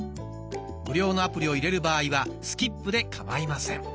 無料のアプリを入れる場合は「スキップ」でかまいません。